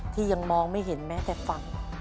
ที่ยังมองไม่เห็นแม้แต่ฝั่ง